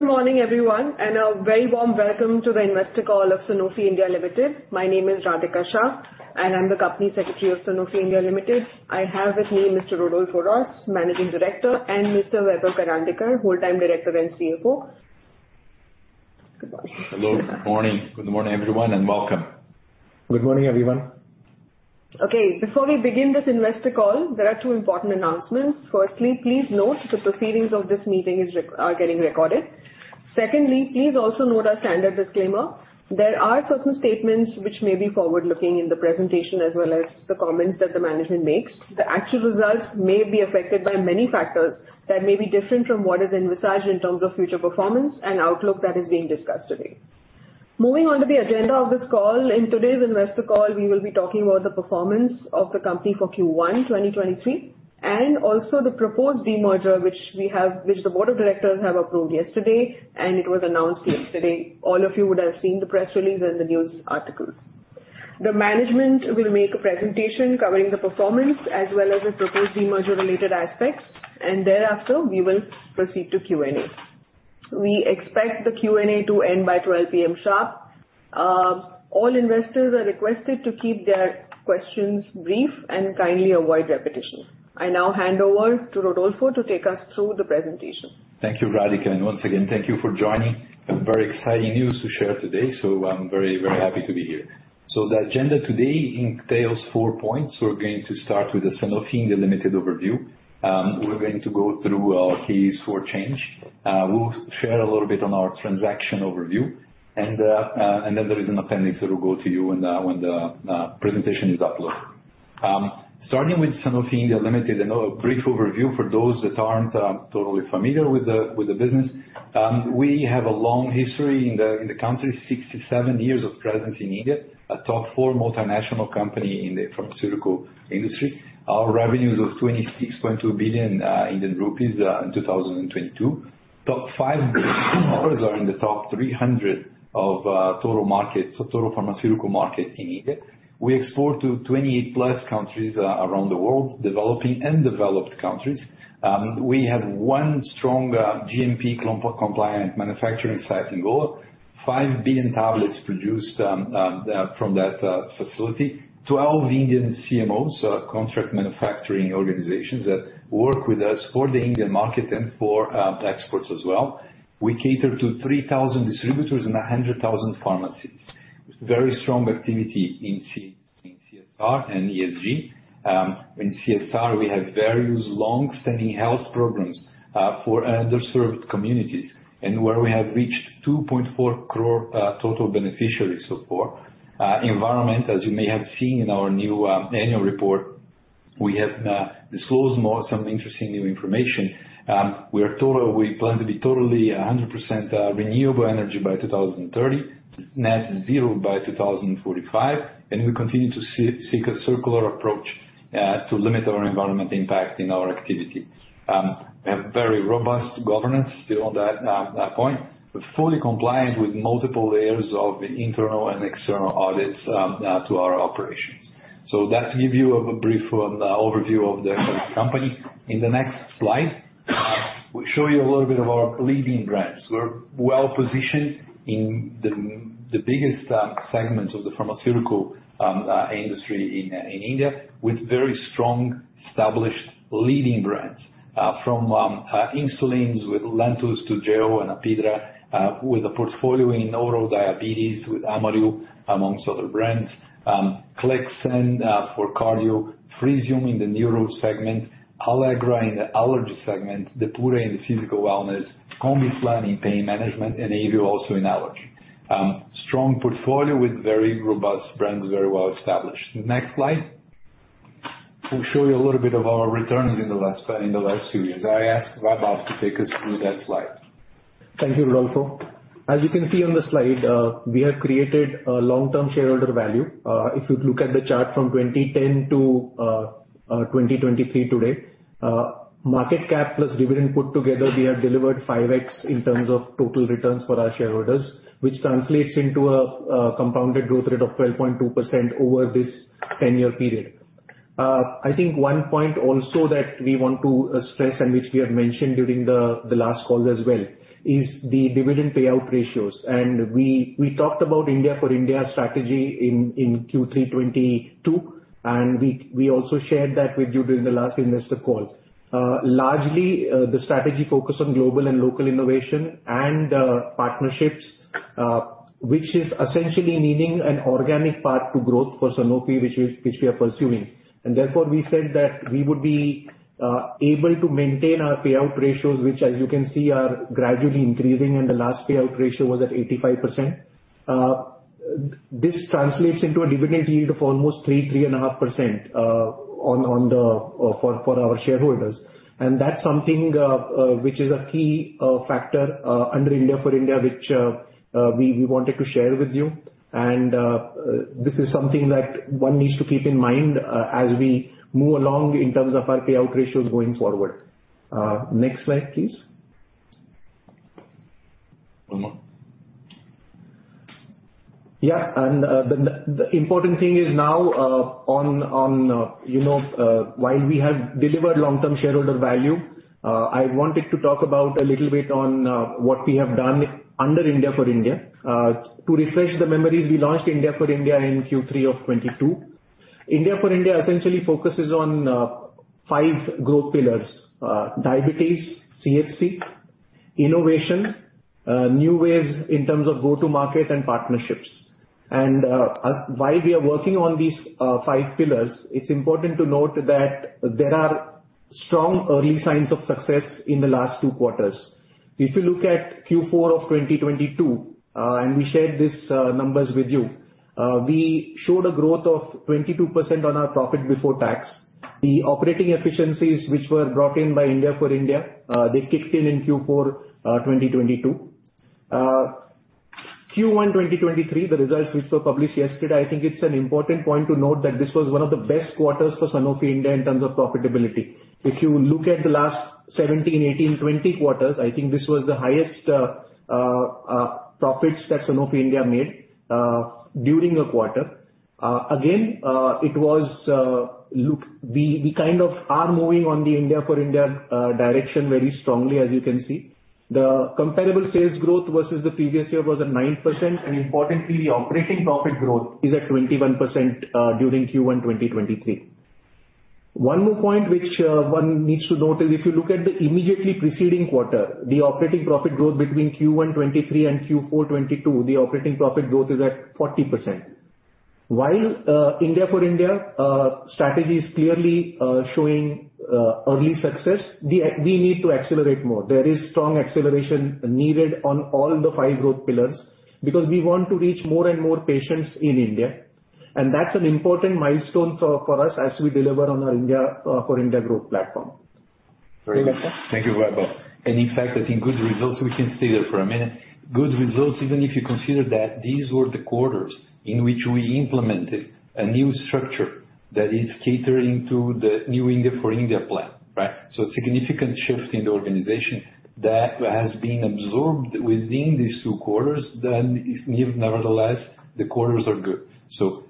Good morni``ng, everyone, and a very warm welcome to the investor call of Sanofi India Limited. My name is Radhika Shah and I'm the Company Secretary of Sanofi India Limited. I have with me Mr. Rodolfo Hrosz, Managing Director, and Mr. Vaibhav Karandikar, Wholetime Director and CFO. Good morning. Hello, good morning. Good morning, everyone, and welcome. Good morning, everyone. Okay, before we begin this investor call, there are two important announcements. Firstly, please note the proceedings of this meeting are getting recorded. Secondly, please also note our standard disclaimer. There are certain statements which may be forward-looking in the presentation as well as the comments that the management makes. The actual results may be affected by many factors that may be different from what is envisaged in terms of future performance and outlook that is being discussed today. Moving on to the agenda of this call, in today's investor call, we will be talking about the performance of the company for Q1 2023 and also the proposed demerger which the board of directors have approved yesterday and it was announced yesterday. All of you would have seen the press release and the news articles. The management will make a presentation covering the performance as well as the proposed demerger related aspects, and thereafter, we will proceed to Q&A. We expect the Q&A to end by 12:00 A.M. sharp. All investors are requested to keep their questions brief and kindly avoid repetition. I now hand over to Rodolfo to take us through the presentation. Thank you, Radhika. Once again, thank you for joining. A very exciting news to share today. I'm very, very happy to be here. The agenda today entails four points. We're going to start with the Sanofi India Limited overview. We're going to go through our case for change. We'll share a little bit on our transaction overview. There is an appendix that will go to you when the presentation is uploaded. Starting with Sanofi India Limited and a brief overview for those that aren't totally familiar with the business. We have a long history in the country, 67 years of presence in India, a top four multinational company in the pharmaceutical industry. Our revenues of 26.2 billion Indian rupees in 2022. Top 5 are in the top 300 of total market, total pharmaceutical market in India. We export to 20 plus countries around the world, developing and developed countries. We have 1 strong GMP compliant manufacturing site in Goa. 5 billion tablets produced from that facility. 12 Indian CMOs, contract manufacturing organizations that work with us for the India market and for exports as well. We cater to 3,000 distributors and 100,000 pharmacies. With very strong activity in CSR and ESG. In CSR, we have various long-standing health programs for underserved communities and where we have reached 2.4 crore total beneficiaries support. Environment, as you may have seen in our new annual report, we have disclosed more some interesting new information. We plan to be totally 100% renewable energy by 2030, net zero by 2045, and we continue to seek a circular approach to limit our environment impact in our activity. We have very robust governance still on that point. We're fully compliant with multiple layers of internal and external audits to our operations. That give you a brief overview of the company. In the next slide, we show you a little bit of our leading brands. We're well-positioned in the biggest segment of the pharmaceutical industry in India with very strong, established leading brands. From insulins with Lantus to Toujeo and Apidra, with a portfolio in oral diabetes with Amaryl, amongst other brands. Clexane for cardio, Frisium in the neuro segment, Allegra in the allergy segment, Depura in physical wellness, Combiflam in pain management, Avil also in allergy. Strong portfolio with very robust brands, very well-established. Next slide will show you a little bit of our returns in the last few years. I ask Vaibhav to take us through that slide. Thank you, Rodolfo. As you can see on the slide, we have created a long-term shareholder value. If you look at the chart from 2010 to 2023 today, market cap plus dividend put together, we have delivered 5x in terms of total returns for our shareholders, which translates into a compounded growth rate of 12.2% over this 10-year period. I think one point also that we want to stress and which we have mentioned during the last call as well is the dividend payout ratios. We talked about India for India strategy in Q3 2022, we also shared that with you during the last investor call. Largely, the strategy focus on global and local innovation and partnerships, which is essentially meaning an organic path to growth for Sanofi, which we are pursuing. Therefore, we said that we would be able to maintain our payout ratios, which as you can see, are gradually increasing and the last payout ratio was at 85%. This translates into a dividend yield of almost 3 and a half percent, on the for our shareholders. That's something which is a key factor under India for India, which we wanted to share with you. This is something that one needs to keep in mind as we move along in terms of our payout ratios going forward. Next slide, please. One more. The important thing is now, while we have delivered long-term shareholder value, I wanted to talk about a little bit on what we have done under India for India. To refresh the memories, we launched India for India in Q3 of 2022. India for India essentially focuses on five growth pillars. Diabetes, CHC, innovation, new ways in terms of go-to market and partnerships. While we are working on these five pillars, it's important to note that there are strong early signs of success in the last two quarters. If you look at Q4 of 2022, and we shared these numbers with you, we showed a growth of 22% on our profit before tax. The operating efficiencies which were brought in by India for India, they kicked in in Q4 2022. Q1 2023, the results which were published yesterday, I think it's an important point to note that this was one of the best quarters for Sanofi India in terms of profitability. If you look at the last 17, 18, 20 quarters, I think this was the highest profits that Sanofi India made during a quarter. Again, it was, We kind of are moving on the India for India direction very strongly, as you can see. The comparable sales growth versus the previous year was at 9%, importantly, the operating profit growth is at 21% during Q1 2023. One more point which one needs to note is if you look at the immediately preceding quarter, the operating profit growth between Q1 2023 and Q4 2022, the operating profit growth is at 40%. While India for India strategy is clearly showing early success, we need to accelerate more. There is strong acceleration needed on all the five growth pillars because we want to reach more and more patients in India, and that's an important milestone for us as we deliver on our India for India growth platform. Very good. Thank you, Vaibhav. In fact, I think good results, we can stay there for a minute. Good results, even if you consider that these were the quarters in which we implemented a new structure that is catering to the new India for India plan, right? A significant shift in the organization that has been absorbed within these 2 quarters, if nevertheless the quarters are good.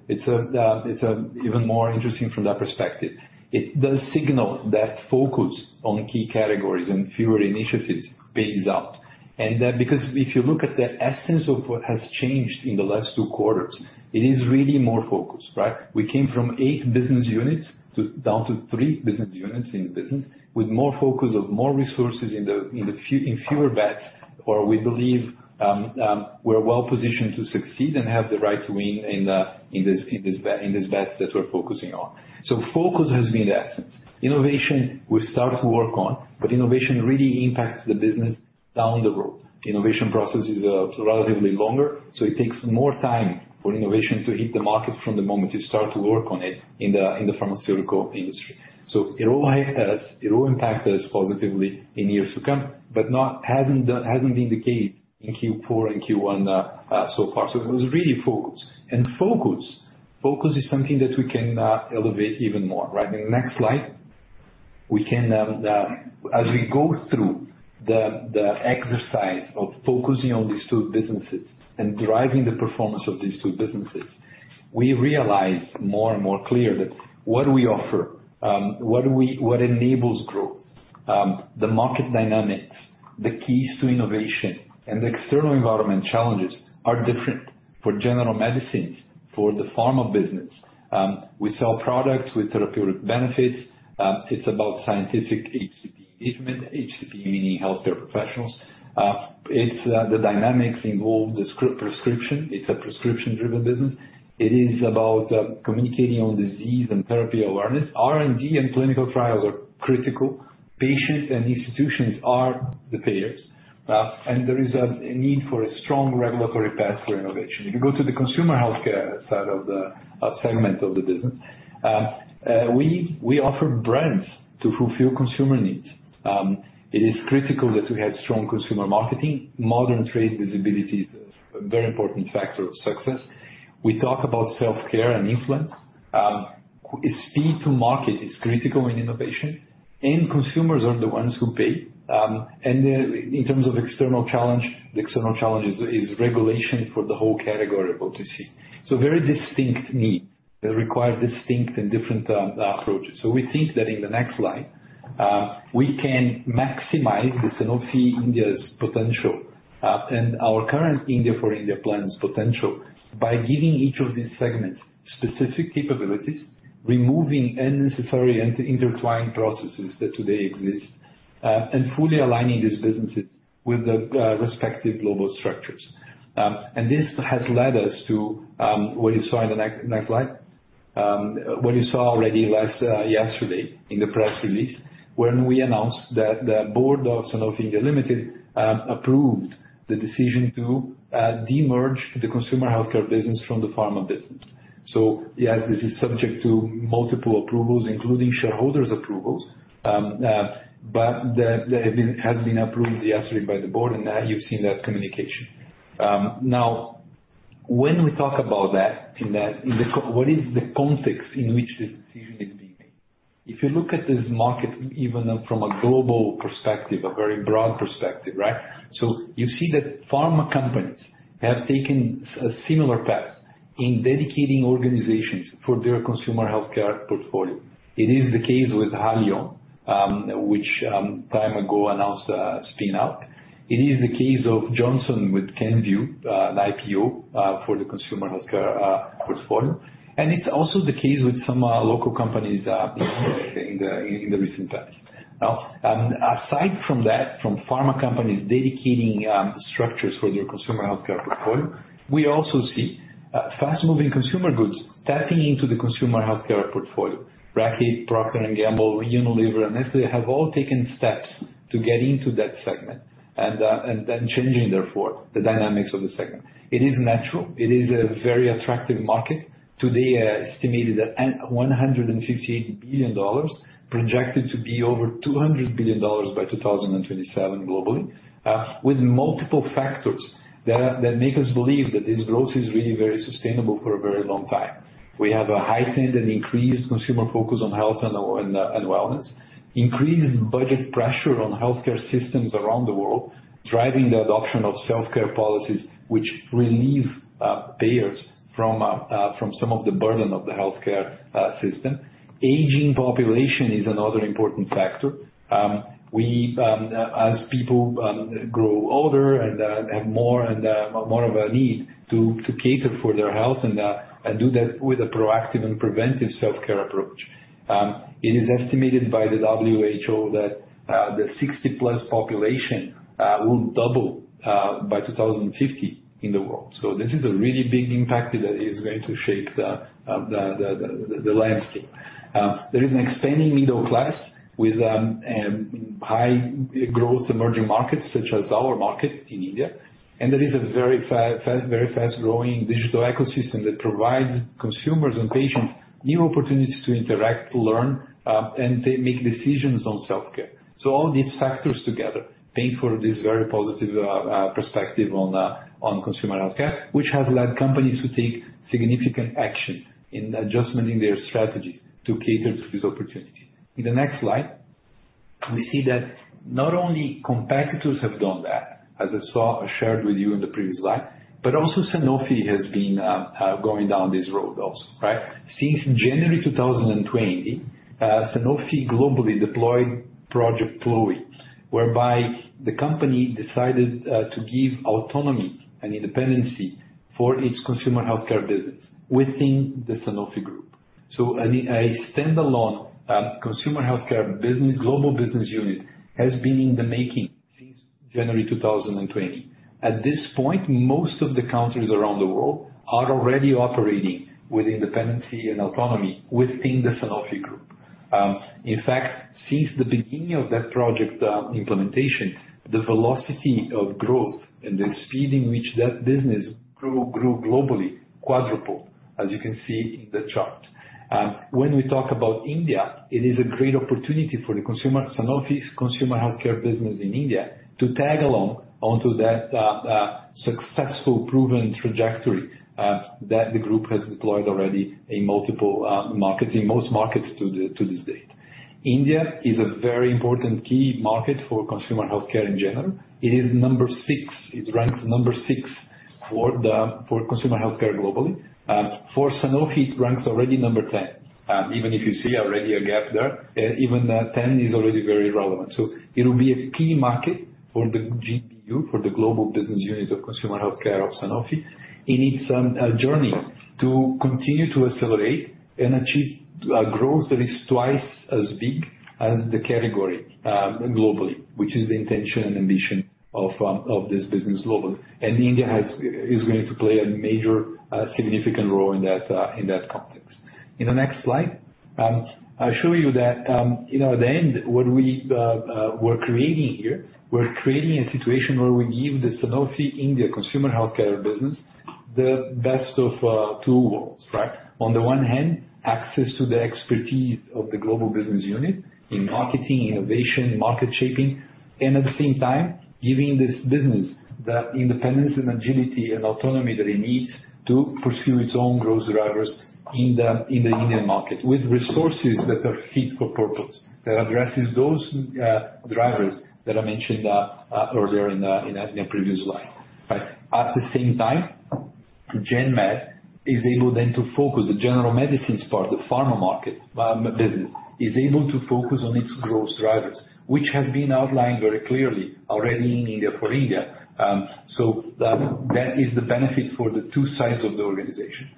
It's even more interesting from that perspective. It does signal that focus on key categories and fewer initiatives pays out. Because if you look at the essence of what has changed in the last 2 quarters, it is really more focus, right? We came from 8 business units down to 3 business units in the business with more focus of more resources in the few, in fewer bets, where we believe we're well-positioned to succeed and have the right win in these bets that we're focusing on. Focus has been the essence. Innovation, we've start to work on, but innovation really impacts the business down the road. Innovation process is relatively longer, it takes more time for innovation to hit the market from the moment you start to work on it in the pharmaceutical industry. It will have us, it will impact us positively in years to come, but not hasn't been the case in Q4 and Q1 so far. It was really focus. Focus, focus is something that we can elevate even more, right? In the next slide, we can. As we go through the exercise of focusing on these two businesses and driving the performance of these two businesses, we realize more and more clear that what we offer, what we, what enables growth, the market dynamics, the keys to innovation and the external environment challenges are different for General Medicines, for the pharma business. We sell products with therapeutic benefits. It's about scientific HCP engagement. HCP meaning healthcare professionals. It's, the dynamics involve the script prescription. It's a prescription-driven business. It is about communicating on disease and therapy awareness. R&D and clinical trials are critical. Patients and institutions are the payers. There is a need for a strong regulatory path for innovation. If you go to the consumer healthcare side of the segment of the business, we offer brands to fulfill consumer needs. It is critical that we have strong consumer marketing. Modern trade visibility is a very important factor of success. We talk about self-care and influence. Speed to market is critical in innovation, and consumers are the ones who pay. In terms of external challenge, the external challenge is regulation for the whole category of OTC. Very distinct needs that require distinct and different approaches. We think that in the next slide, we can maximize the Sanofi India's potential and our current India for India plan's potential by giving each of these segments specific capabilities, removing unnecessary intertwined processes that today exist, and fully aligning these businesses with the respective global structures. This has led us to what you saw in the next slide. What you saw already last yesterday in the press release, when we announced that the board of Sanofi India Limited approved the decision to de-merge the consumer healthcare business from the pharma business. Yes, this is subject to multiple approvals, including shareholders approvals. Has been approved yesterday by the board, and now you've seen that communication. Now when we talk about that, what is the context in which this decision is being made? If you look at this market even from a global perspective, a very broad perspective, right? You see that pharma companies have taken a similar path in dedicating organizations for their consumer healthcare portfolio. It is the case with Haleon, which time ago announced a spin out. It is the case of Johnson & Johnson with Kenvue, an IPO for the consumer healthcare portfolio. It's also the case with some local companies in the recent past. Now, aside from that, from pharma companies dedicating structures for their consumer healthcare portfolio, we also see fast-moving consumer goods tapping into the consumer healthcare portfolio. Reckitt, Procter & Gamble, Unilever, Nestlé, have all taken steps to get into that segment and then changing therefore the dynamics of the segment. It is natural. It is a very attractive market. Today, estimated at $158 billion projected to be over $200 billion by 2027 globally, with multiple factors that make us believe that this growth is really very sustainable for a very long time. We have a heightened and increased consumer focus on health and wellness. Increased budget pressure on healthcare systems around the world, driving the adoption of self-care policies which relieve payers from some of the burden of the healthcare system. Aging population is another important factor. We, as people, grow older and have more and more of a need to cater for their health and do that with a proactive and preventive self-care approach. It is estimated by the WHO that the 60-plus population will double by 2050 in the world. This is a really big impact that is going to shape the landscape. There is an expanding middle class with high growth emerging markets such as our market in India. There is a very fast-growing digital ecosystem that provides consumers and patients new opportunities to interact, to learn, and they make decisions on self-care. All these factors together paint for this very positive perspective on consumer healthcare, which has led companies to take significant action in adjusting their strategies to cater to this opportunity. In the next slide, we see that not only competitors have done that, as I shared with you in the previous slide, also Sanofi has been going down this road also. Since January 2020, Sanofi globally deployed Project Chloe, whereby the company decided to give autonomy and independency for its consumer healthcare business within the Sanofi group. A standalone consumer healthcare business, global business unit has been in the making since January 2020. At this point, most of the countries around the world are already operating with independency and autonomy within the Sanofi group. In fact, since the beginning of that project, implementation, the velocity of growth and the speed in which that business grew globally quadrupled, as you can see in the chart. When we talk about India, it is a great opportunity for Sanofi's Consumer Healthcare business in India to tag along onto that successful proven trajectory that the group has deployed already in multiple markets-- in most markets to this date. India is a very important key market for consumer healthcare in general. It is 6. It ranks 6 for the, for consumer healthcare globally. For Sanofi, it ranks already 10. Even if you see already a gap there, even 10 is already very relevant. It will be a key market for the GBU, for the Global Business Unit of Consumer Healthcare of Sanofi. It needs a journey to continue to accelerate and achieve a growth that is twice as big as the category globally, which is the intention and ambition of this business globally. India is going to play a major significant role in that in that context. In the next slide, I show you that, you know, at the end, what we're creating here, we're creating a situation where we give the Sanofi India Consumer Healthcare business the best of two worlds, right? On the one hand, access to the expertise of the global business unit in marketing, innovation, market shaping, and at the same time giving this business that independence and agility and autonomy that it needs to pursue its own growth drivers in the Indian market with resources that are fit for purpose, that addresses those drivers that I mentioned earlier in the previous slide. Right. At the same time, GenMed is able then to focus the general medicines part, the pharma market business, is able to focus on its growth drivers, which have been outlined very clearly already in India for India. That is the benefit for the two sides of the organization.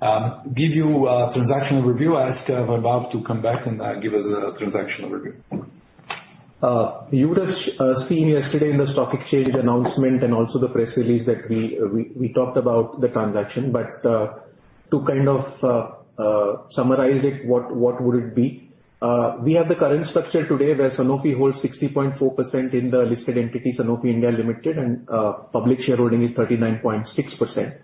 Right? Next, give you a transactional review. I ask Vaibhav to come back and give us a transactional review. You would have seen yesterday in the stock exchange announcement and also the press release that we talked about the transaction. To kind of summarize it, what would it be? We have the current structure today, where Sanofi holds 60.4% in the listed entity, Sanofi India Limited, and public shareholding is 39.6%.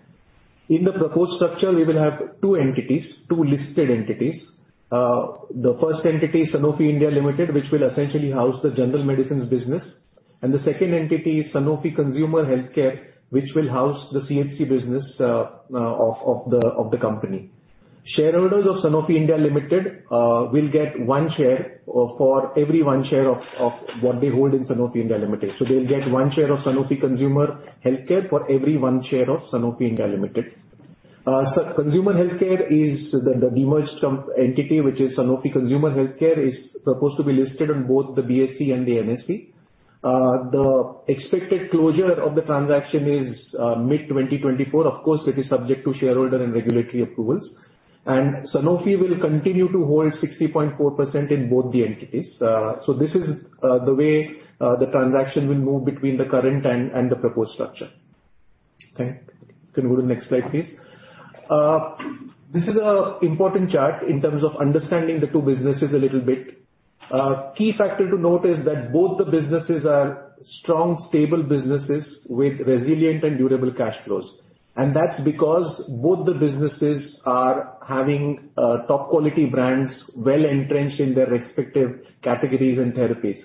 In the proposed structure, we will have two entities, two listed entities. The first entity, Sanofi India Limited, which will essentially house the general medicines business. The second entity is Sanofi Consumer Healthcare, which will house the CHC business of the company. Shareholders of Sanofi India Limited will get one share for every one share of what they hold in Sanofi India Limited. They'll get 1 share of Sanofi Consumer Healthcare for every 1 share of Sanofi India Limited. Consumer Healthcare is the demerged comp entity, which is Sanofi Consumer Healthcare, is supposed to be listed on both the BSE and the NSE. The expected closure of the transaction is mid-2024. Of course, it is subject to shareholder and regulatory approvals. Sanofi will continue to hold 60.4% in both the entities. This is the way the transaction will move between the current and the proposed structure. Okay. You can go to the next slide, please. This is a important chart in terms of understanding the two businesses a little bit. Key factor to note is that both the businesses are strong, stable businesses with resilient and durable cash flows. That's because both the businesses are having top quality brands well-entrenched in their respective categories and therapies.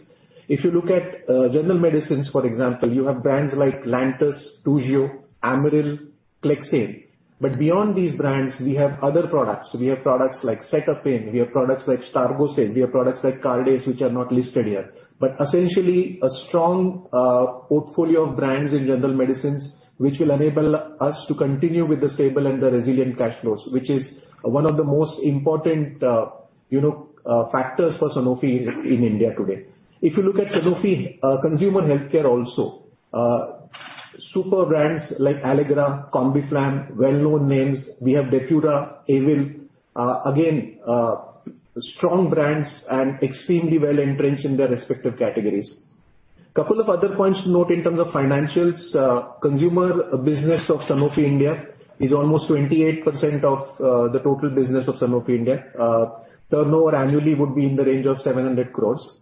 If you look at General Medicines, for example, you have brands like Lantus, Toujeo, Amaryl, Clexane. Beyond these brands, we have other products. We have products like Cetapin, we have products like Stagose, we have products like Cardace, which are not listed here. Essentially a strong portfolio of brands in General Medicines, which will enable us to continue with the stable and the resilient cash flows, which is one of the most important, you know, factors for Sanofi in India today. If you look at Sanofi Consumer Healthcare also, super brands like Allegra, Combiflam, well-known names. We have Depura, Avil. Again, strong brands and extremely well-entrenched in their respective categories. Couple of other points to note in terms of financials. Consumer business of Sanofi India is almost 28% of the total business of Sanofi India. Turnover annually would be in the range of 700 crores.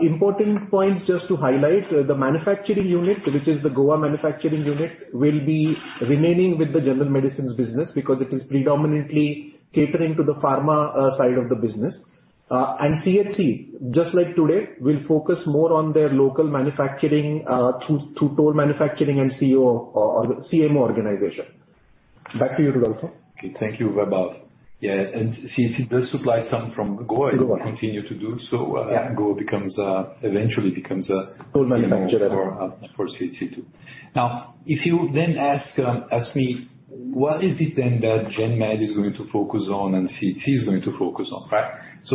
Important points just to highlight, the manufacturing unit, which is the Goa manufacturing unit, will be remaining with the General Medicines business because it is predominantly catering to the pharma side of the business. CHC, just like today, will focus more on their local manufacturing through total manufacturing and CEO or CMO organization. Back to you, Rodolfo. Okay, thank you, Vaibhav. Yeah, CHC does supply some from Goa. Goa. Will continue to do so. Yeah. Goa becomes, eventually becomes. Full manufacturer. For CHC too. If you then ask me what is it then that Gen Med is going to focus on and CHC is going to focus on, right?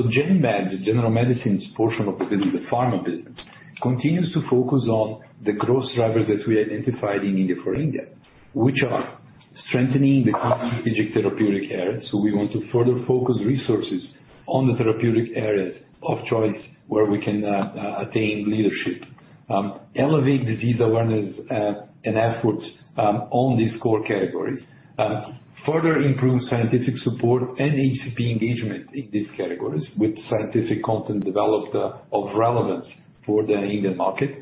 Gen Med, General Medicines portion of the business, the pharma business, continues to focus on the growth drivers that we identified in India for India, which are strengthening the core strategic therapeutic areas. We want to further focus resources on the therapeutic areas of choice where we can attain leadership. Elevate disease awareness and efforts on these core categories. Further improve scientific support and HCP engagement in these categories with scientific content developed of relevance for the Indian market.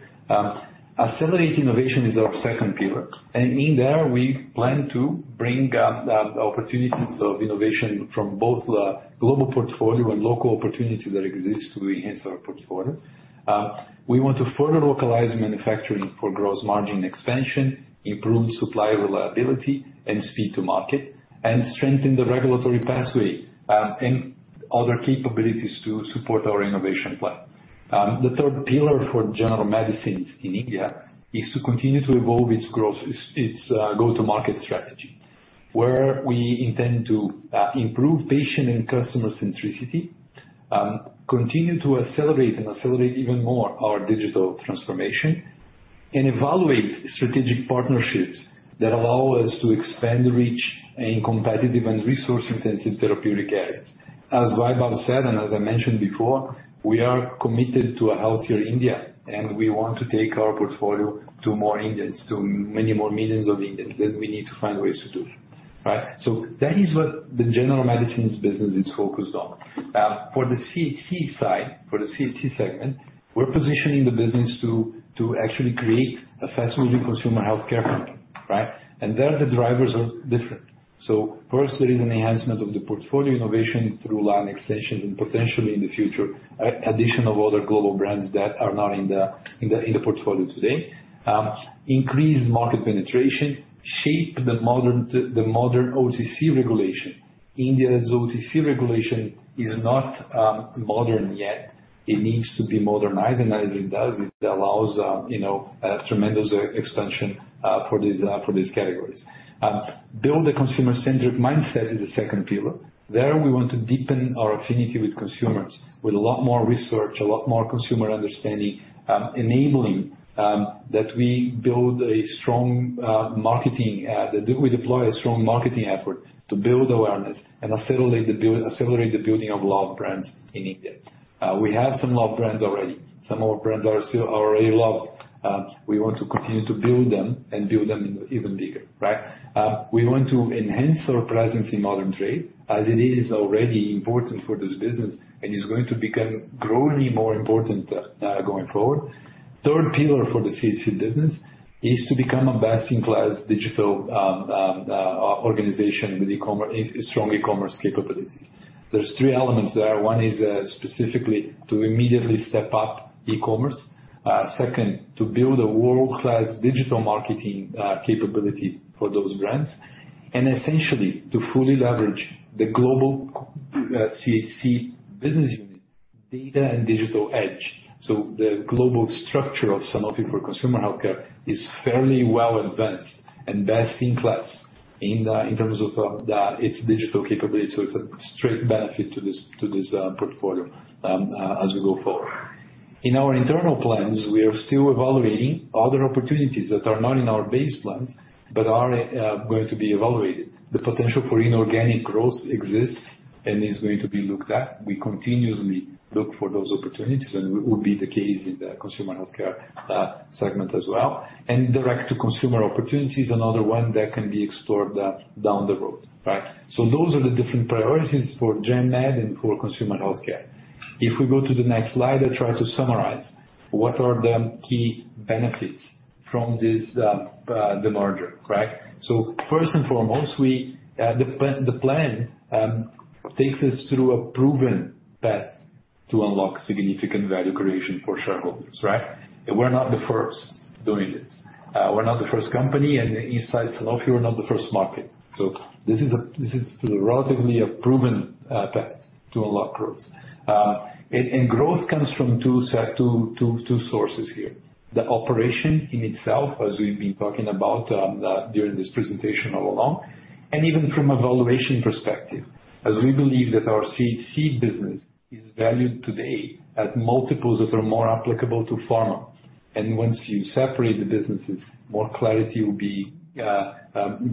Accelerate innovation is our second pillar. In there, we plan to bring opportunities of innovation from both the global portfolio and local opportunities that exist to enhance our portfolio. We want to further localize manufacturing for gross margin expansion, improve supply reliability and speed to market and strengthen the regulatory pathway and other capabilities to support our innovation plan. The third pillar for General Medicines in India is to continue to evolve its growth, its go-to-market strategy, where we intend to improve patient and customer centricity. Continue to accelerate even more our digital transformation and evaluate strategic partnerships that allow us to expand the reach in competitive and resource-intensive therapeutic areas. As Vaibhav said, as I mentioned before, we are committed to a healthier India, we want to take our portfolio to more Indians, to many more millions of Indians, we need to find ways to do it, right? That is what the General Medicines business is focused on. For the CHC side, for the CHC segment, we're positioning the business to actually create a fast-moving consumer healthcare company, right? There, the drivers are different. First, there is an enhancement of the portfolio innovation through line extensions and potentially in the future, additional other global brands that are not in the portfolio today. Increase market penetration, shape the modern the modern OTC regulation. India's OTC regulation is not modern yet. It needs to be modernized. As it does, it allows, you know, a tremendous expansion for these for these categories. Build a consumer-centric mindset is the second pillar. There, we want to deepen our affinity with consumers with a lot more research, a lot more consumer understanding, enabling that we build a strong marketing that we deploy a strong marketing effort to build awareness and accelerate the building of loved brands in India. We have some loved brands already. Some of our brands are already loved. We want to continue to build them and build them even bigger, right? We want to enhance our presence in modern trade as it is already important for this business and is going to become growingly more important going forward. Third pillar for the CHC business is to become a best-in-class digital organization with e-commerce, strong e-commerce capabilities. There's three elements there. One is specifically to immediately step up e-commerce. second, to build a world-class digital marketing capability for those brands, and essentially, to fully leverage the global CHC business unit data and digital edge. The global structure of Sanofi for consumer healthcare is fairly well advanced and best in class in terms of its digital capability, so it's a straight benefit to this, to this portfolio as we go forward. In our internal plans, we are still evaluating other opportunities that are not in our base plans but are going to be evaluated. The potential for inorganic growth exists and is going to be looked at. We continuously look for those opportunities and it will be the case in the consumer healthcare segment as well. Direct to consumer opportunity is another one that can be explored down the road, right? Those are the different priorities for GenMed and for consumer healthcare. If we go to the next slide, I try to summarize what are the key benefits from this, the merger, correct? First and foremost, we, the plan takes us through a proven path to unlock significant value creation for shareholders, right? We're not the first doing this. We're not the first company, and the East Side Sanofi, we're not the first market. This is relatively a proven path to unlock growth. And growth comes from two sources here. The operation in itself, as we've been talking about, during this presentation all along, even from a valuation perspective, as we believe that our CHC business is valued today at multiples that are more applicable to pharma. Once you separate the businesses, more clarity will be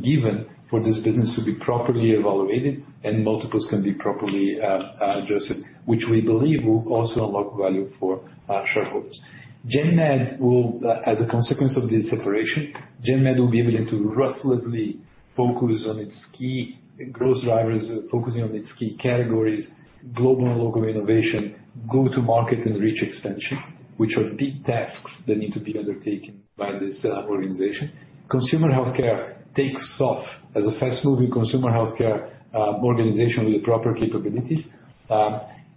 given for this business to be properly evaluated and multiples can be properly addressed, which we believe will also unlock value for shareholders. As a consequence of this separation, GenMed will be able to ruthlessly focus on its key growth drivers, focusing on its key categories, global and local innovation, go to market and reach expansion, which are big tasks that need to be undertaken by this organization. Consumer healthcare takes off as a fast-moving consumer healthcare organization with the proper capabilities.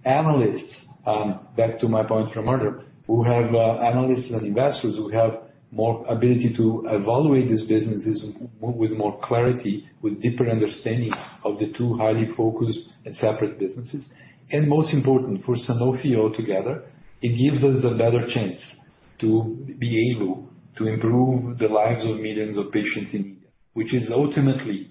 Analysts, back to my point from earlier, who have analysts and investors who have more ability to evaluate these businesses with more clarity, with deeper understanding of the two highly focused and separate businesses. Most important, for Sanofi altogether, it gives us a better chance to be able to improve the lives of millions of patients in India, which is ultimately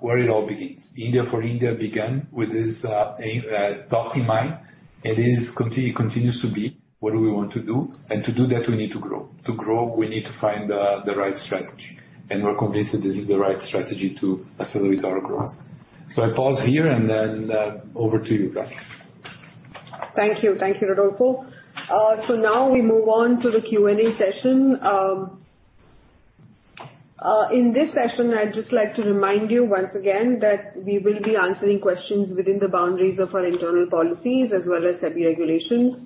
where it all begins. India for India began with this aim, thought in mind. It continues to be what we want to do. To do that, we need to grow. To grow, we need to find the right strategy. We're convinced that this is the right strategy to accelerate our growth. I pause here and then over to you, Radhika Shah. Thank you. Thank you, Rodolfo. Now we move on to the Q&A session. In this session, I'd just like to remind you once again that we will be answering questions within the boundaries of our internal policies as well as SEBI regulations.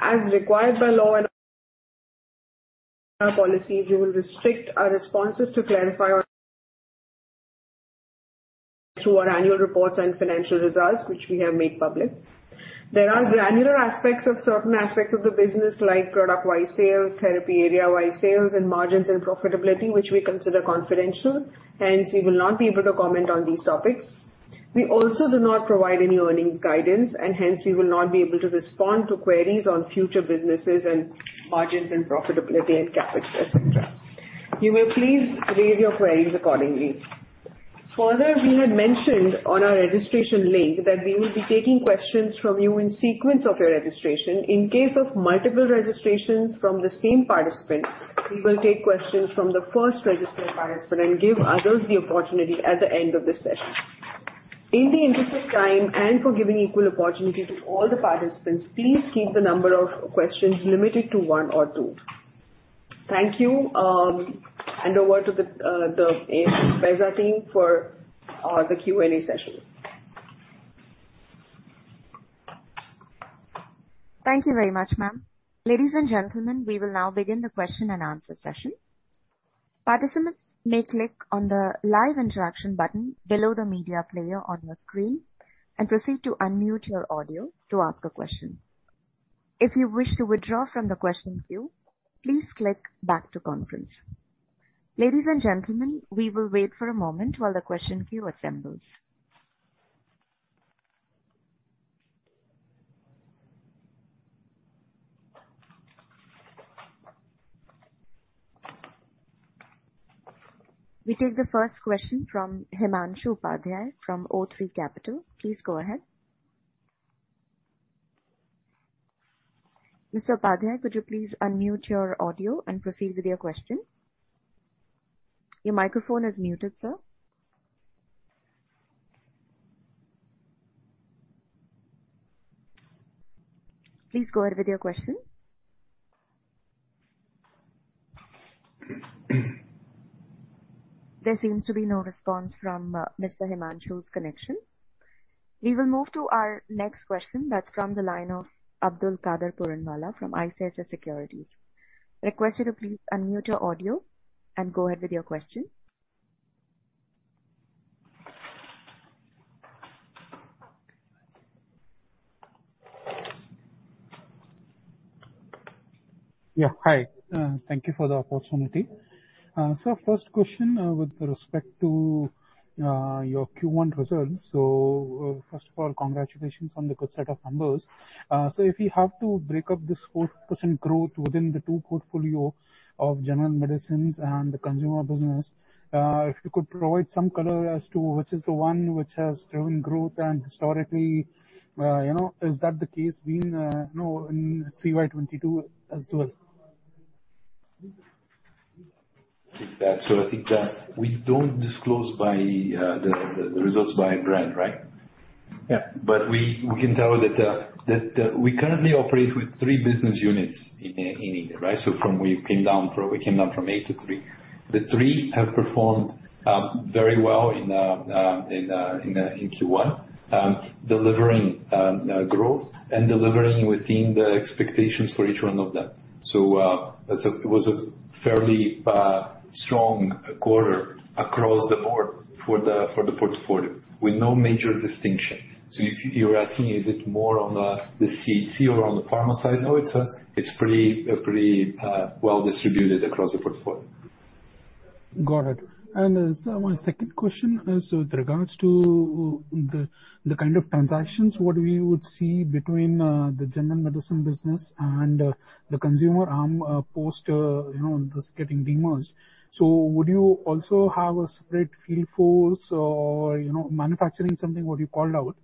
As required by law and our policies, we will restrict our responses to clarify through our annual reports and financial results, which we have made public. There are granular aspects of certain aspects of the business like product-wide sales, therapy area-wide sales and margins and profitability, which we consider confidential, hence we will not be able to comment on these topics. We also do not provide any earnings guidance, and hence we will not be able to respond to queries on future businesses and margins and profitability and CapEx, et cetera. You may please raise your queries accordingly. Further, we had mentioned on our registration link that we will be taking questions from you in sequence of your registration. In case of multiple registrations from the same participant, we will take questions from the first registered participant and give others the opportunity at the end of the session. In the interest of time and for giving equal opportunity to all the participants, please keep the number of questions limited to one or two. Thank you, and over to the Emkay team for the Q&A session. Thank you very much, ma'am. Ladies and gentlemen, we will now begin the question and answer session. Participants may click on the live interaction button below the media player on your screen and proceed to unmute your audio to ask a question. If you wish to withdraw from the question queue, please click Back to Conference. Ladies and gentlemen, we will wait for a moment while the question queue assembles. We take the first question from Himanshu Upadhyay from o3 Capital. Please go ahead. Mr. Upadhyay, could you please unmute your audio and proceed with your question? Your microphone is muted, sir. Please go ahead with your question. There seems to be no response from Mr. Himanshu's connection. We will move to our next question. That's from the line of Abdulkader Puranwala from ICICI Securities. Request you to please unmute your audio and go ahead with your question. Yeah. Hi, thank you for the opportunity. First question, with respect to your Q1 results. First of all, congratulations on the good set of numbers. If you have to break up this 4% growth within the two portfolio of General Medicines and the Consumer Business, if you could provide some color as to which is the one which has driven growth and historically, you know, is that the case being, you know, in CY 2022 as well? I think that we don't disclose by the results by brand, right? Yeah. We can tell you that we currently operate with three business units in India, right? We came down from 8 to 3. The 3 have performed very well in Q1, delivering growth and delivering within the expectations for each one of them. It was a fairly strong quarter across the board for the portfolio, with no major distinction. If you're asking is it more on the CHC or on the pharma side? No. It's pretty well distributed across the portfolio. Got it. My second question is with regards to the kind of transactions, what we would see between the General Medicines business and the consumer arm post, you know, this getting demerged. Would you also have a separate field force or, you know, manufacturing something what you called out?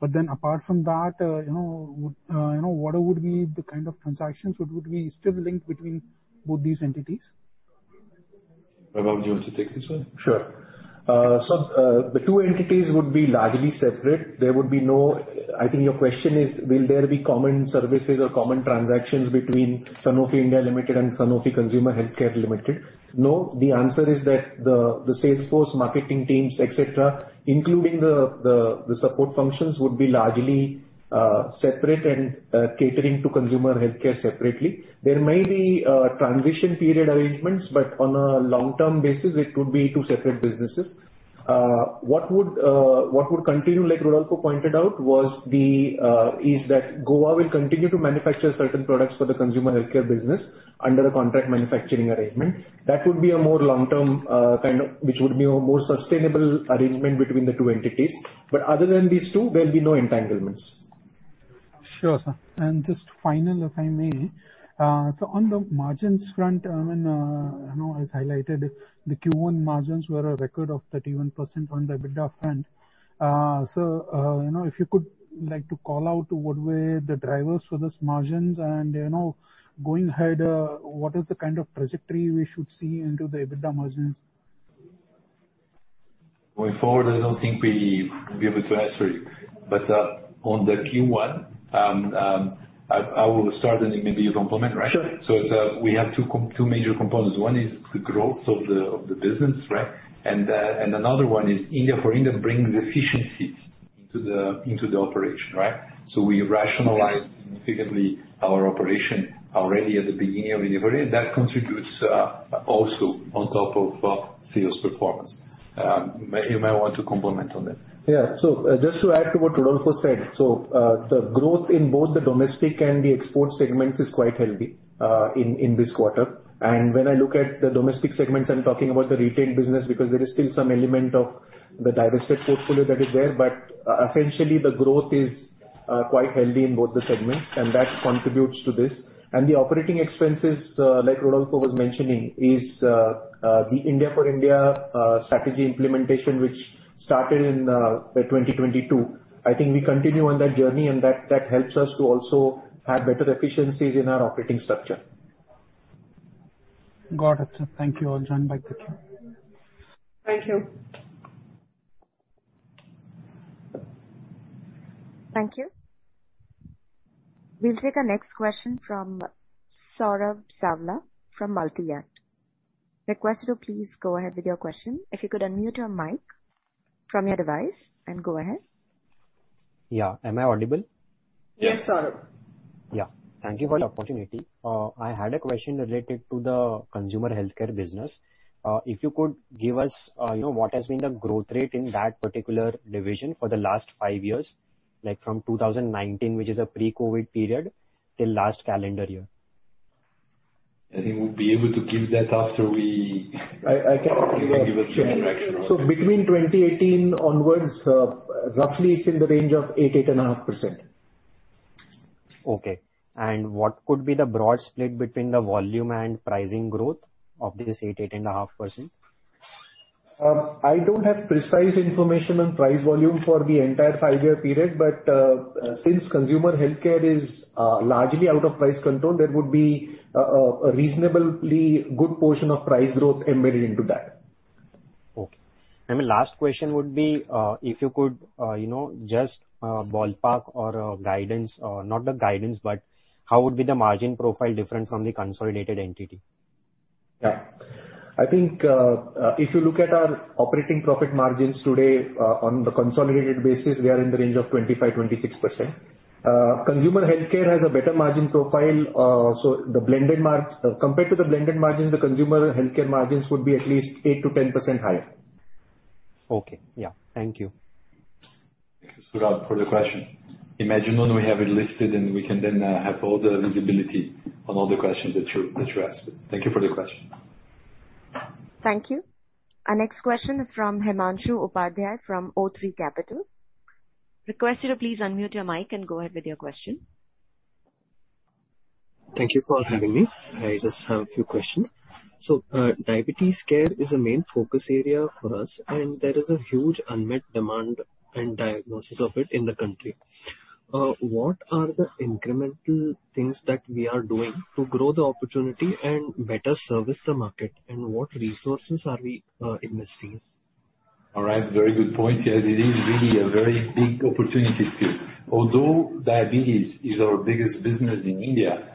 Apart from that, you know, what would be the kind of transactions? Would be still link between both these entities? Hemant, would you want to take this one? Sure. The two entities would be largely separate. I think your question is will there be common services or common transactions between Sanofi India Limited and Sanofi Consumer Healthcare Limited? The answer is that the sales force, marketing teams, et cetera, including the support functions would be largely separate and catering to consumer healthcare separately. There may be transition period arrangements, but on a long-term basis, it would be two separate businesses. What would continue, like Rodolfo pointed out was, is that Goa will continue to manufacture certain products for the consumer healthcare business under a contract manufacturing arrangement. That would be a more long-term, which would be a more sustainable arrangement between the two entities. Other than these two, there'll be no entanglements. Sure, sir. Just final, if I may. On the margins front, I mean, you know, as highlighted, the Q1 margins were a record of 31% on the EBITDA front. You know, if you could like to call out what were the drivers for this margins and, you know, going ahead, what is the kind of trajectory we should see into the EBITDA margins? Going forward, I don't think we will be able to answer it. On the Q1, I will start and then maybe you complement, right? Sure. It's, we have two major components. One is the growth of the business, right. Another one is India for India brings efficiencies into the operation, right. We rationalize significantly our operation already at the beginning of the year. That contributes also on top of sales performance. You may want to complement on that. Yeah. Just to add to what Rodolfo said. The growth in both the domestic and the export segments is quite healthy in this quarter. When I look at the domestic segments, I'm talking about the retail business, because there is still some element of the divested portfolio that is there. Essentially the growth is quite healthy in both the segments, and that contributes to this. The operating expenses, like Rodolfo was mentioning, is the India for India strategy implementation, which started in 2022. I think we continue on that journey and that helps us to also have better efficiencies in our operating structure. Got it, sir. Thank you. I'll join back the queue. Thank you. Thank you. We'll take our next question fromc. Request you to please go ahead with your question. If you could unmute your mic from your device and go ahead. Yeah. Am I audible? Yes, Saurabh. Yeah. Thank you for the opportunity. I had a question related to the consumer healthcare business. If you could give us, you know, what has been the growth rate in that particular division for the last five years, like from 2019, which is a pre-COVID period, till last calendar year? I think we'll be able to give that after we I can give. Give a direction on it. between 2018 onwards, roughly it's in the range of 8.5%. Okay. What could be the broad split between the volume and pricing growth of this 8-8.5%? I don't have precise information on price volume for the entire 5-year period, but since consumer healthcare is largely out of price control, there would be a reasonably good portion of price growth embedded into that. Okay. My last question would be, if you could, you know, just ballpark or guidance, not the guidance, but how would be the margin profile different from the consolidated entity? Yeah. I think, if you look at our operating profit margins today, on the consolidated basis, we are in the range of 25%-26%. consumer healthcare has a better margin profile, so compared to the blended margins, the consumer healthcare margins would be at least 8%-10% higher. Okay. Yeah. Thank you. Thank you, Saurabh, for the question. Imagine when we have it listed and we can then have all the visibility on all the questions that you asked. Thank you for the question. Thank you. Our next question is from Himanshu Upadhyay from o3 Capital.Request you to please unmute your mic and go ahead with your question. Thank you for having me. I just have a few questions. Diabetes care is a main focus area for us, and there is a huge unmet demand and diagnosis of it in the country. What are the incremental things that we are doing to grow the opportunity and better service the market, and what resources are we, investing? All right. Very good point. Yes, it is really a very big opportunity still. Although diabetes is our biggest business in India,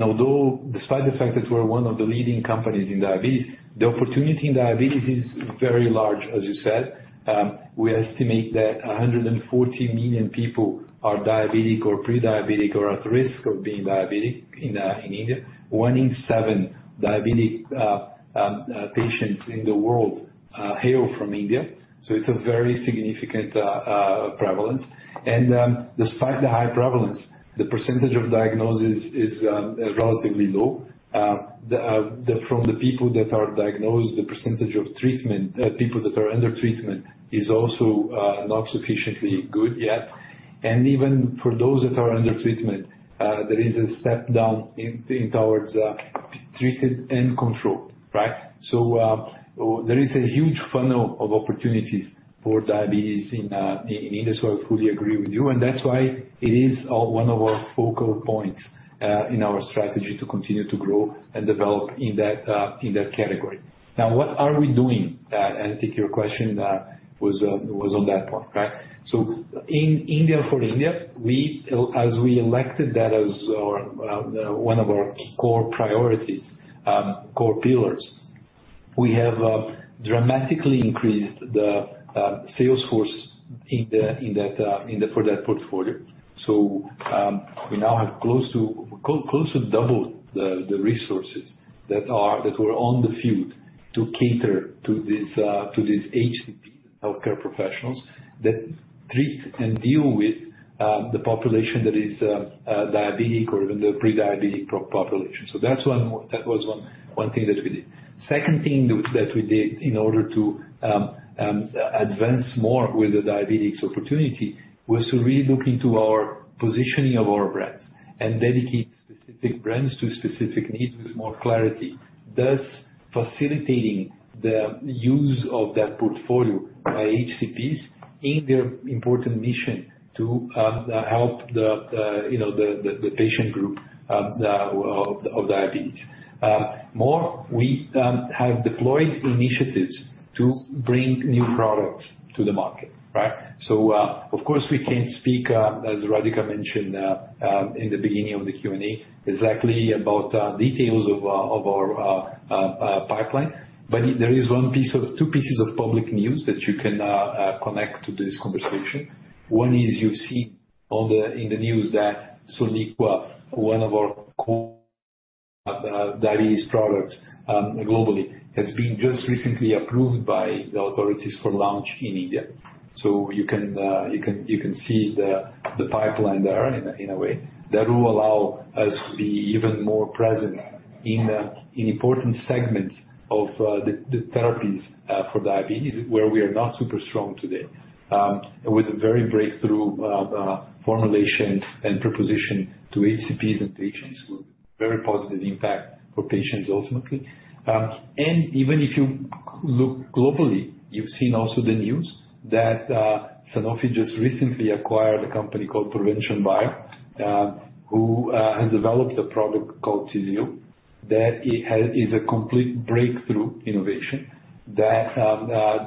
although despite the fact that we're one of the leading companies in diabetes, the opportunity in diabetes is very large, as you said. We estimate that 140 million people are diabetic or pre-diabetic or at risk of being diabetic in India. One in seven diabetic patients in the world hail from India, so it's a very significant prevalence. Despite the high prevalence, the percentage of diagnosis is relatively low. From the people that are diagnosed, the percentage of treatment people that are under treatment is also not sufficiently good yet. Even for those that are under treatment, there is a step down in, towards, treated and controlled, right? There is a huge funnel of opportunities for diabetes in India, so I fully agree with you, and that's why it is one of our focal points in our strategy to continue to grow and develop in that category. Now, what are we doing? I think your question was on that point, right? In India for India, we, as we elected that as our one of our core priorities, core pillars, we have dramatically increased the sales force in that for that portfolio. We now have close to double the resources that were on the field to cater to this HCP, healthcare professionals, that treat and deal with the population that is diabetic or even the pre-diabetic population. That's one. That was one thing that we did. Second thing that we did in order to advance more with the diabetes opportunity was to really look into our positioning of our brands and dedicate specific brands to specific needs with more clarity, thus facilitating the use of that portfolio by HCPs in their important mission to help the, you know, the patient group of the of diabetes. More, we have deployed initiatives to bring new products to the market, right? Of course, we can't speak as Radhika mentioned in the beginning of the Q&A, exactly about details of our pipeline, but there is one piece of... Two pieces of public news that you can connect to this conversation. One is you've seen in the news that Soliqua, one of our core diabetes products globally, has been just recently approved by the authorities for launch in India. You can see the pipeline there in a way. That will allow us to be even more present in important segments of the therapies for diabetes, where we are not super strong today. With a very breakthrough formulation and proposition to HCPs and patients, very positive impact for patients ultimately. Even if you look globally, you've seen also the news that Sanofi just recently acquired a company called Provention Bio, who has developed a product called Tzield, that is a complete breakthrough innovation that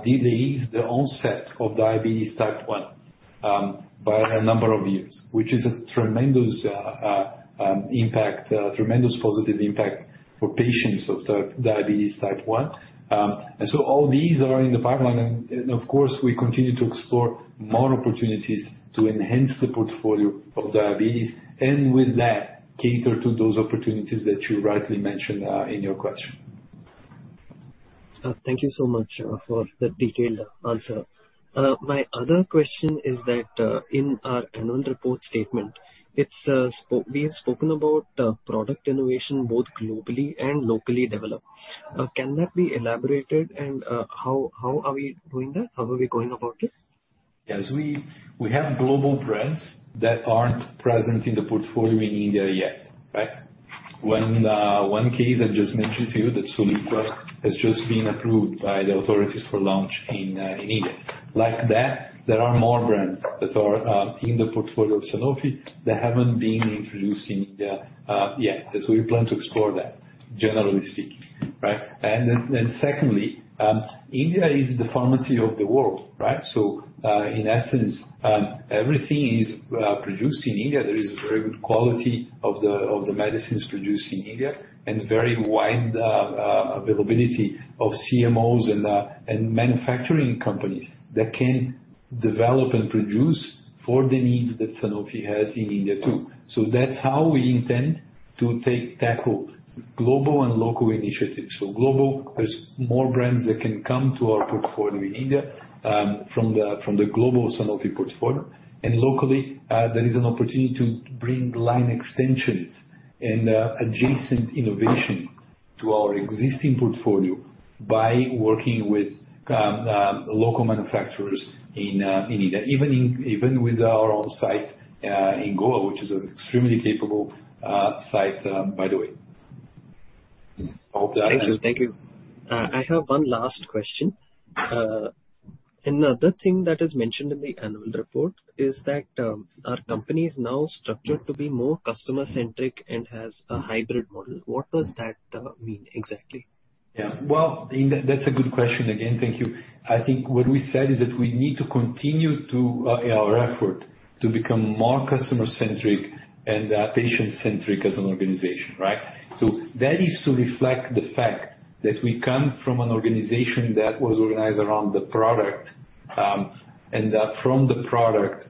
delays the onset of diabetes type 1, by a number of years, which is a tremendous impact, tremendous positive impact for patients of diabetes type 1. All these are in the pipeline, and of course, we continue to explore more opportunities to enhance the portfolio of diabetes and with that, cater to those opportunities that you rightly mentioned in your question. Thank you so much for the detailed answer. My other question is that in our annual report statement, we have spoken about product innovation, both globally and locally developed. Can that be elaborated and how are we doing that? How are we going about it? Yes, we have global brands that aren't present in the portfolio in India yet, right? One case I just mentioned to you, that Soliqua has just been approved by the authorities for launch in India. Like that, there are more brands that are in the portfolio of Sanofi that haven't been introduced in India yet. We plan to explore that, generally speaking, right? Then secondly, India is the pharmacy of the world, right? In essence, everything is produced in India. There is a very good quality of the medicines produced in India and very wide availability of CMOs and manufacturing companies that can develop and produce for the needs that Sanofi has in India too. That's how we intend to tackle global and local initiatives. Global, there's more brands that can come to our portfolio in India, from the global Sanofi portfolio. Locally, there is an opportunity to bring line extensions and adjacent innovation to our existing portfolio by working with local manufacturers in India, even with our own site in Goa, which is an extremely capable site, by the way. Thank you. Thank you. I have one last question. Another thing that is mentioned in the annual report is that our company is now structured to be more customer-centric and has a hybrid model. What does that mean exactly? Well, that's a good question. Again, thank you. I think what we said is that we need to continue to our effort to become more customer-centric and patient-centric as an organization, right? That is to reflect the fact that we come from an organization that was organized around the product, and from the product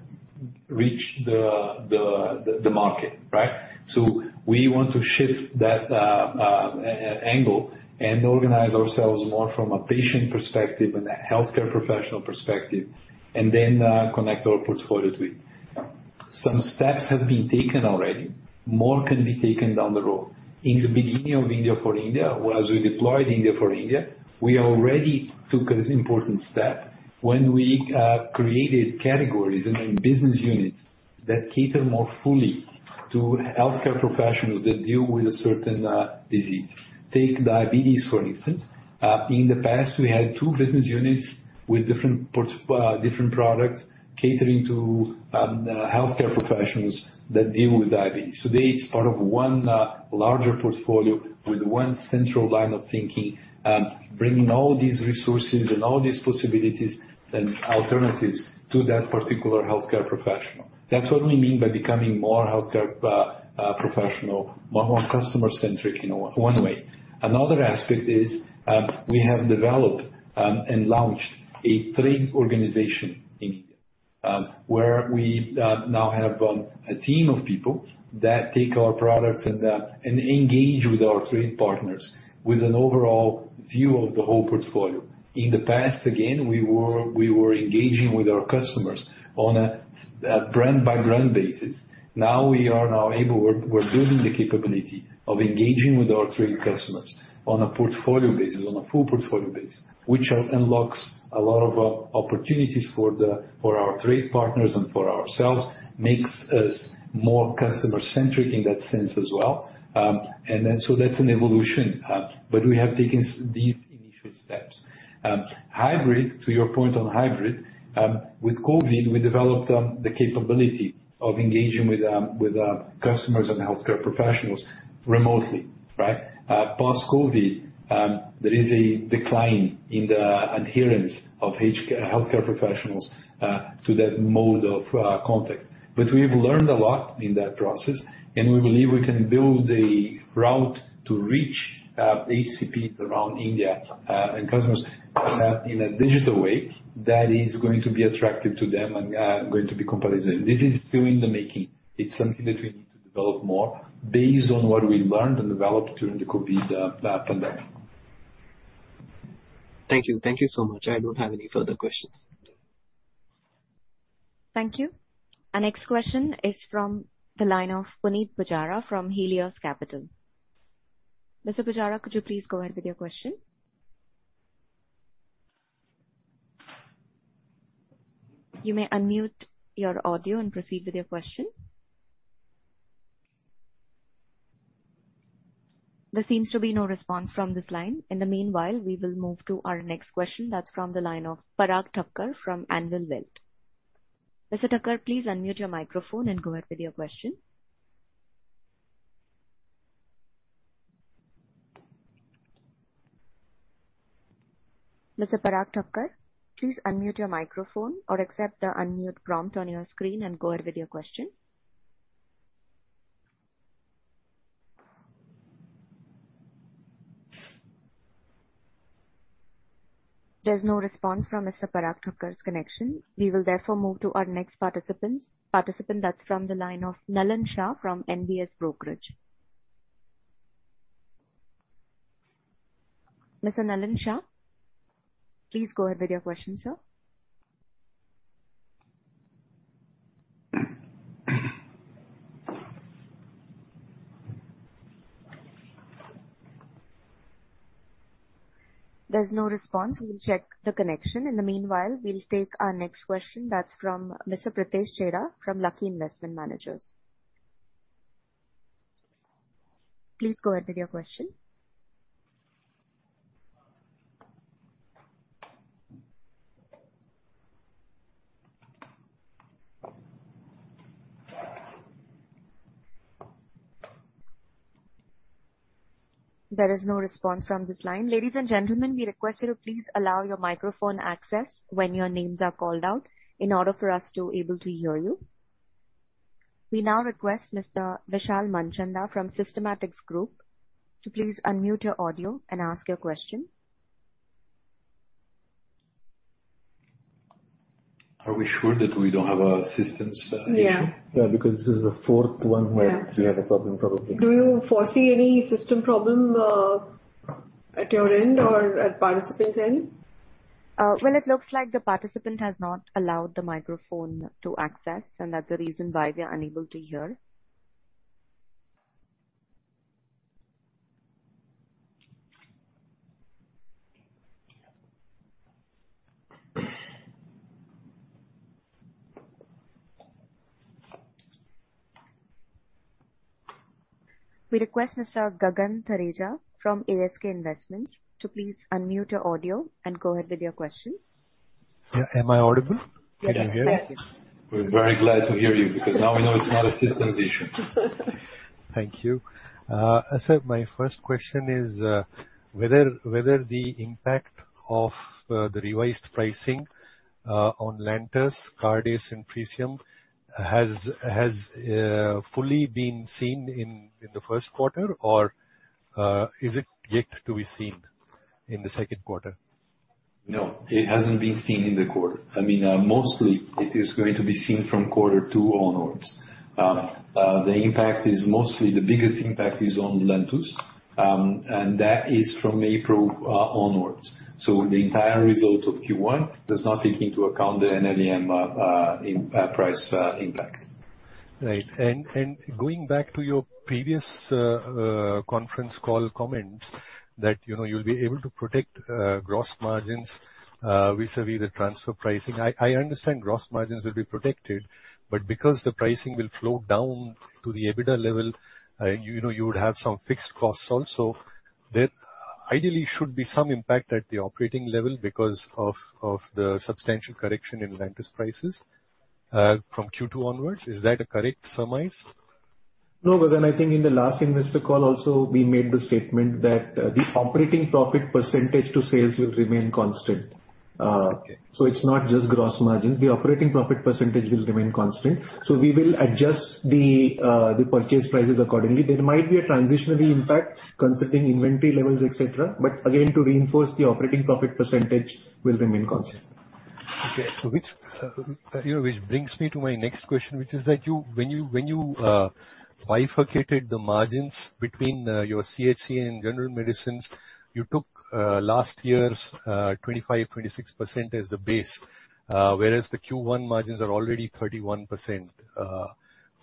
reach the market, right? We want to shift that e-angle and organize ourselves more from a patient perspective and a healthcare professional perspective and then connect our portfolio to it. Some steps have been taken already. More can be taken down the road. In the beginning of India for India, or as we deployed India for India, we already took an important step when we created categories and then business units that cater more fully to healthcare professionals that deal with a certain disease. Take diabetes, for instance. In the past we had two business units with different products catering to healthcare professionals that deal with diabetes. Today it's part of one larger portfolio with one central line of thinking, bringing all these resources and all these possibilities and alternatives to that particular healthcare professional. That's what we mean by becoming more healthcare professional, more customer-centric in one way. Another aspect is, we have developed and launched a trade organization in India, where we now have a team of people that take our products and engage with our trade partners with an overall view of the whole portfolio. In the past, again, we were engaging with our customers on a brand by brand basis. Now we're building the capability of engaging with our trade customers on a portfolio basis, on a full portfolio basis, which unlocks a lot of opportunities for our trade partners and for ourselves, makes us more customer-centric in that sense as well. That's an evolution. We have taken these initial steps. Hybrid, to your point on hybrid, with COVID we developed the capability of engaging with customers and healthcare professionals remotely, right. Post-COVID, there is a decline in the adherence of healthcare professionals to that mode of contact. We've learned a lot in that process and we believe we can build a route to reach HCPs around India and customers in a digital way that is going to be attractive to them and going to be competitive. This is still in the making. It's something that we need to develop more based on what we learned and developed during the COVID pandemic. Thank you. Thank you so much. I don't have any further questions. Thank you. Our next question is from the line of Punit Pujara from Helios Capital. Mr. Pujara, could you please go ahead with your question? You may unmute your audio and proceed with your question. There seems to be no response from this line. In the meanwhile, we will move to our next question. That's from the line of Parag Thakkar from Anvil Wealth Management. Mr. Thakkar, please unmute your microphone and go ahead with your question. Mr. Parag Thakkar, please unmute your microphone or accept the unmute prompt on your screen and go ahead with your question. There's no response from Mr. Parag Thakkar's connection. We will therefore move to our next participant that's from the line of Nalin Shah from NVS Brokerage. Mr. Nalin Shah, please go ahead with your question, sir. There's no response. We will check the connection. In the meanwhile, we'll take our next question. That's from Mr. Pritesh Chheda from Lucky Investment Managers. Please go ahead with your question. There is no response from this line. Ladies and gentlemen, we request you to please allow your microphone access when your names are called out in order for us to be able to hear you. We now request Mr. Vishal Manchanda from Systematix Group to please unmute your audio and ask your question. Are we sure that we don't have a systems issue? Yeah. Yeah, because this is the fourth one. Yeah. We have a problem, probably. Do you foresee any system problem, at your end or at participant's end? Well, it looks like the participant has not allowed the microphone to access, and that's the reason why we are unable to hear. We request Mr. Gagan Dudeja from ASK Investment Managers to please unmute your audio and go ahead with your question. Yeah. Am I audible? Yes. We're very glad to hear you because now we know it's not a systems issue. Thank you. My first question is, whether the impact of the revised pricing on Lantus, Cardace and Tresiba has fully been seen in the first quarter or, is it yet to be seen in the second quarter? No, it hasn't been seen in the quarter. I mean, mostly it is going to be seen from quarter two onwards. The biggest impact is on Lantus, and that is from April onwards. The entire result of Q1 does not take into account the NLEM in price impact. Right. Going back to your previous conference call comments that, you know, you'll be able to protect gross margins vis-a-vis the transfer pricing. I understand gross margins will be protected, but because the pricing will flow down to the EBITDA level, you know, you would have some fixed costs also. There ideally should be some impact at the operating level because of the substantial correction in Lantus prices from Q2 onwards. Is that a correct surmise? I think in the last investor call also we made the statement that the operating profit percentage to sales will remain constant. Okay. It's not just gross margins. The operating profit % will remain constant. We will adjust the purchase prices accordingly. There might be a transitionary impact considering inventory levels, et cetera. Again, to reinforce, the operating profit % will remain constant. Okay. Which, you know, which brings me to my next question, which is that when you, when you bifurcated the margins between your CHC and General Medicines, you took last year's 25%-26% as the base, whereas the Q1 margins are already 31%.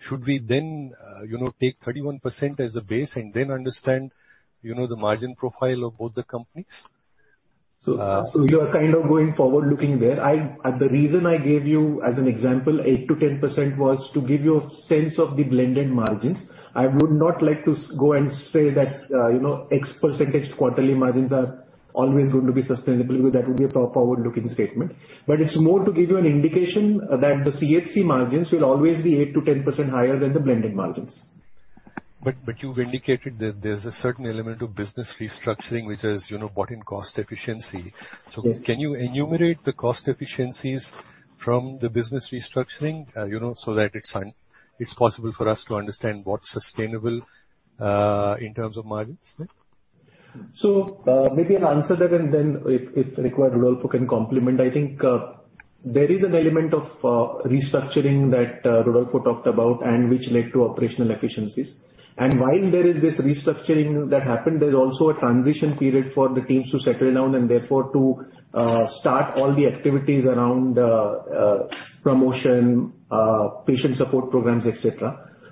Should we then, you know, take 31% as a base and then understand, you know, the margin profile of both the companies? You are kind of going forward-looking there. The reason I gave you as an example 8%-10% was to give you a sense of the blended margins. I would not like to go and say that, you know, X% quarterly margins are always going to be sustainable. That would be a forward-looking statement. It's more to give you an indication that the CHC margins will always be 8%-10% higher than the blended margins. You've indicated that there's a certain element of business restructuring which has, you know, brought in cost efficiency. Yes. Can you enumerate the cost efficiencies from the business restructuring, you know, so that it's possible for us to understand what's sustainable, in terms of margins, right? Maybe I'll answer that and then if required, Rodolfo can complement. I think there is an element of restructuring that Rodolfo talked about and which led to operational efficiencies. While there is this restructuring that happened, there's also a transition period for the teams to settle down and therefore to start all the activities around promotion, patient support programs, et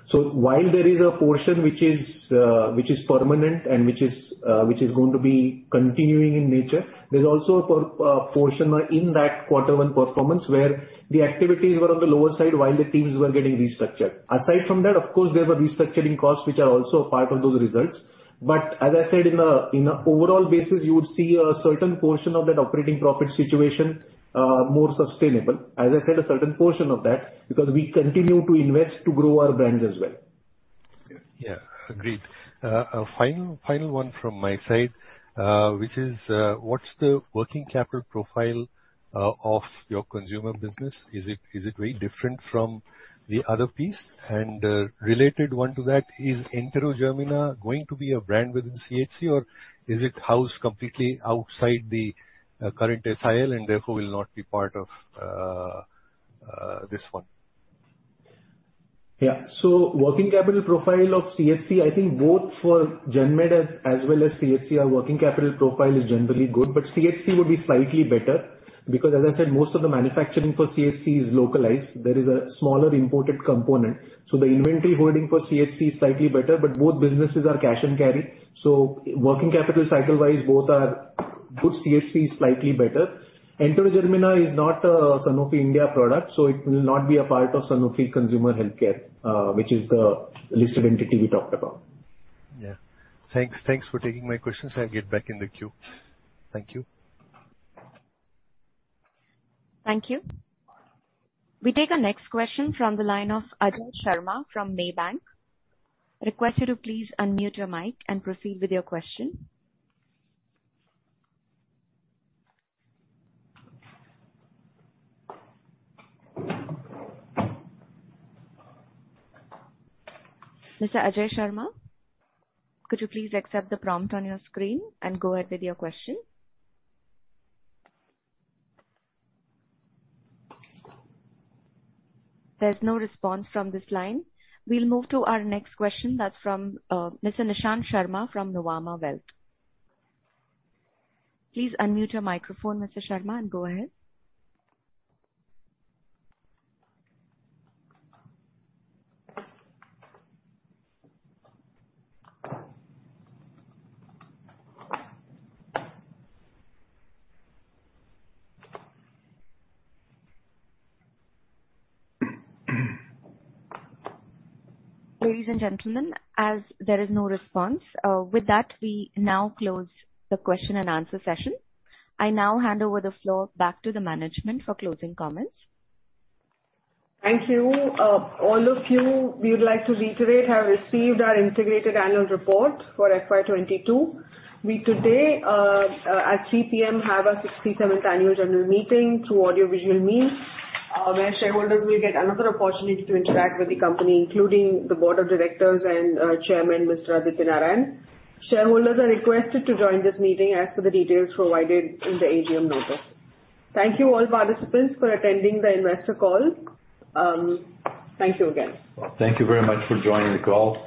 cetera. While there is a portion which is permanent and which is going to be continuing in nature, there's also a portion in that quarter one performance where the activities were on the lower side while the teams were getting restructured. Aside from that, of course, there were restructuring costs which are also a part of those results. As I said, in a overall basis you would see a certain portion of that operating profit situation, more sustainable. As I said, a certain portion of that because we continue to invest to grow our brands as well. Yeah. Agreed. A final one from my side, which is what's the working capital profile of your consumer business? Is it very different from the other piece? Related one to that is Enterogermina going to be a brand within CHC or is it housed completely outside the current SIL and therefore will not be part of this one? Yeah. Working capital profile of CHC, I think both for GenMed as well as CHC, our working capital profile is generally good, but CHC would be slightly better because as I said, most of the manufacturing for CHC is localized. There is a smaller imported component. The inventory holding for CHC is slightly better, but both businesses are cash and carry. Working capital cycle-wise, both are good. CHC is slightly better. Enterogermina is not a Sanofi India product, so it will not be a part of Sanofi Consumer Healthcare, which is the listed entity we talked about. Yeah. Thanks. Thanks for taking my questions. I'll get back in the queue. Thank you. Thank you. We take our next question from the line of Ajay Sharma from Maybank. Request you to please unmute your mic and proceed with your question. Mr. Ajay Sharma, could you please accept the prompt on your screen and go ahead with your question. There's no response from this line. We'll move to our next question. That's from Mr. Nishant Sharma from Nuvama Wealth. Please unmute your microphone, Mr. Sharma, and go ahead. Ladies and gentlemen, as there is no response, with that, we now close the question and answer session. I now hand over the floor back to the management for closing comments. Thank you. All of you, we would like to reiterate, have received our integrated annual report for FY 2022. We today, at 3:00 P.M. have our 67th annual general meeting through audiovisual means, where shareholders will get another opportunity to interact with the company, including the board of directors and Chairman, Mr. Aditya Narayan. Shareholders are requested to join this meeting as per the details provided in the AGM notice. Thank you all participants for attending the investor call. Thank you again. Well, thank you very much for joining the call.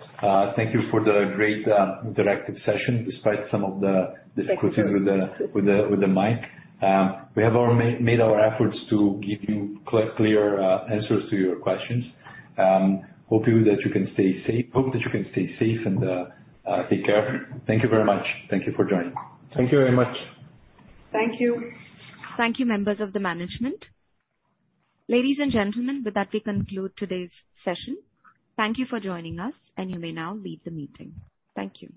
Thank you for the great interactive session, despite some of the. Thank you. difficulties with the mic. We have made our efforts to give you clear answers to your questions. Hope you that you can stay safe. Hope that you can stay safe and take care. Thank you very much. Thank you for joining. Thank you very much. Thank you. Thank you, members of the management. Ladies and gentlemen, with that, we conclude today's session. Thank you for joining us, and you may now leave the meeting. Thank you.